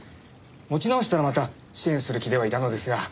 持ち直したらまた支援する気ではいたのですが。